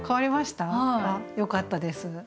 あっよかったです。